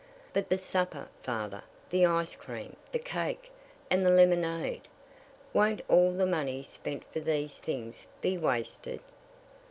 "But the supper, father, the ice cream, the cake, and the lemonade, won't all the money spent for these things be wasted?"